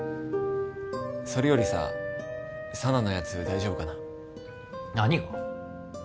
それよりさ佐奈のやつ大丈夫かな何が？